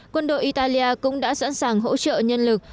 quân đội italia cũng đã sẵn sàng hỗ trợ nhân lực